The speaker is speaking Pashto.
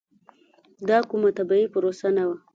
دا کومه طبیعي پروسه نه وه.